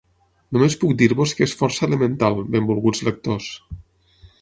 Només puc dir-vos que és força elemental, benvolguts lectors.